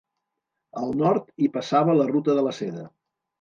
Al nord, hi passava la ruta de la Seda.